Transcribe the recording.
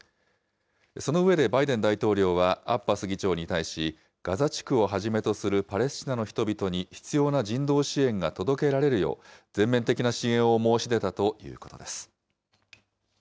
その上でバイデン大統領はアッバス議長に対し、ガザ地区をはじめとするパレスチナの人々に必要な人道支援が届けられるよう、全面的な支援を申し出たということです。